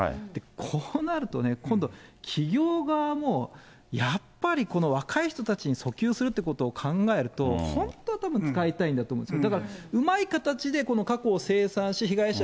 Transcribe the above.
こうなるとね、今度、企業側もやっぱりこの若い人たちにそきゅうするってことを考えると、本当はたぶん使いたいんだと思うんですよ。